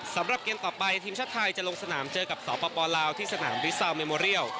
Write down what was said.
สำหรับเกมต่อไปทีมชาติไทยจะลงสนามเจอกับสปลาวที่สนามริซาวเมโมเรียล